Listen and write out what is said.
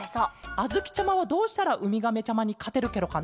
あづきちゃまはどうしたらウミガメちゃまにかてるケロかね？